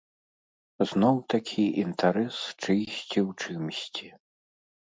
Зноў такі інтарэс чыйсьці ў чымсьці.